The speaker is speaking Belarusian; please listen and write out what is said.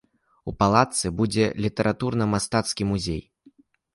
У палацы будзе літаратурна-мастацкі музей.